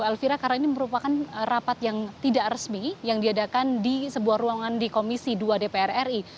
elvira karena ini merupakan rapat yang tidak resmi yang diadakan di sebuah ruangan di komisi dua dpr ri